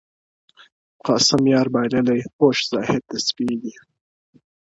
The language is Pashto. قاسم یار بایللی هوښ زاهد تسبې دي,